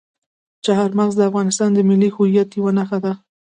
چار مغز د افغانستان د ملي هویت یوه نښه ده.